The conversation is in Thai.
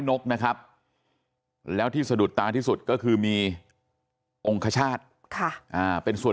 นกนะครับแล้วที่สะดุดตาที่สุดก็คือมีองคชาติเป็นส่วน